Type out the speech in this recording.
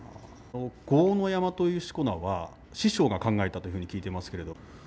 豪ノ山というしこ名は師匠が考えたと聞いていますけれど。